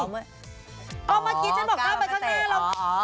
ก็เมื่อกี้ฉันบอกกล้าไปข้างหน้าแล้ว